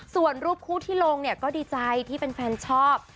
ส่วนรูปคู่ที่ลงเนี่ยก็ดีใจที่แฟนชอบ